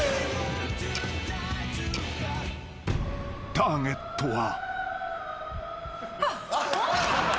［ターゲットは］